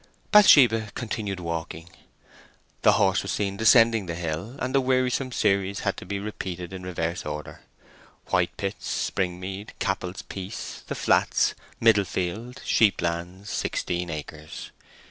Bathsheba continued walking. The horse was seen descending the hill, and the wearisome series had to be repeated in reverse order: Whitepits, Springmead, Cappel's Piece, The Flats, Middle Field, Sheeplands, Sixteen Acres.